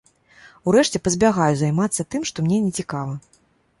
Урэшце, пазбягаю займацца тым, што мне нецікава.